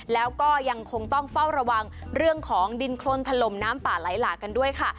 แล้วก็ยังคงต้องเฝ้าระวังเรื่องของดินโครนถล่มน้ำป่าไหลหลากกันด้วยค่ะ